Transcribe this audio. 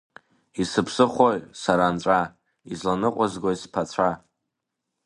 Исыԥсыхәои, сара нҵәа, изланыҟәызгои сԥацәа?!